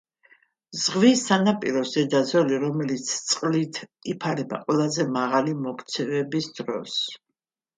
ზღვის სანაპიროს ზედა ზოლი, რომელიც წყლით იფარება ყველაზე მაღალი მოქცევების დროს.